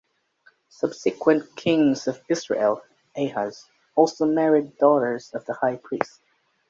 Subsequent kings of Israel, Ahaz, also married daughters of the high priest.